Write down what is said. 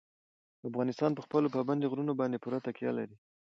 افغانستان په خپلو پابندي غرونو باندې پوره تکیه لري.